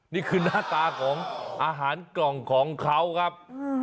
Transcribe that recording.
นี่คือหน้าตาของอาหารกล่องของเขาครับ